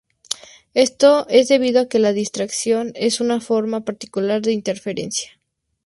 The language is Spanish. Esto es debido a que la difracción es una forma particular de interferencia.